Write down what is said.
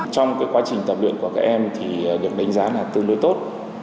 trong quá trình tập luyện của các em thì được đánh giá là tương đối tốt